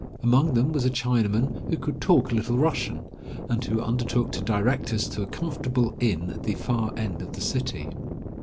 Among them was a Chinaman who could talk a little Russian, and who undertook to direct us to a comfortable inn at the far end of the city.